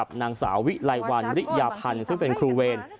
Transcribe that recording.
นางสาววิไลวันริยาพันธ์ซึ่งเป็นครูเวร